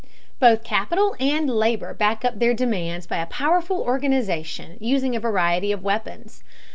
Both capital and labor back up their demands by a powerful organization using a variety of weapons.